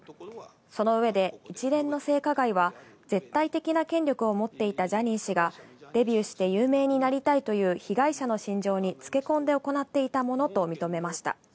その上で、一連の性加害は絶対的な権力を持っていたジャニー氏が、デビューして有名になりたいという被害者の心情につけ込んで行っていたものと認めました。